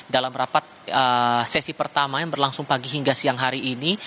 dalam rapat sesi pertama yang berlangsung pagi hingga siang hari ini